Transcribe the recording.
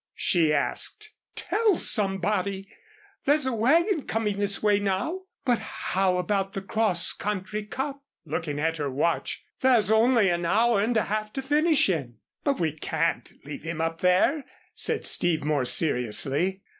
she asked. "Tell somebody. There's a wagon coming this way now." "But how about the Cross Country Cup?" looking at her watch. "There's only an hour and a half to finish in." "But we can't leave him up there," said Steve, more seriously.